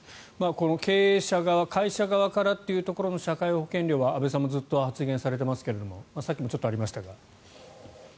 経営者側会社側というところの社会保険料は安部さんもずっと発言されていますがさっきもありましたが。